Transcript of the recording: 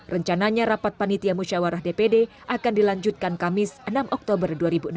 rencananya rapat panitia musyawarah dpd akan dilanjutkan kamis enam oktober dua ribu enam belas